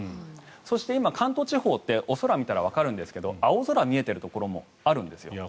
そして今、関東・甲信地方って空を見たらわかるんですが青空が見えているところがあるんですよ。